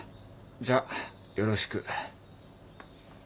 じゃよろしく。